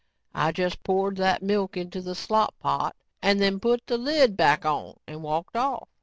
"I just poured that milk into the slop pot and then put the lid back on and walked off.